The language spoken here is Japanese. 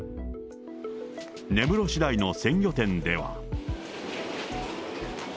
根室市内の鮮魚店では。